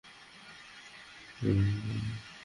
সেই আজ সংসারের একমাত্র রক্ষক, সকলের সুহৃৎ।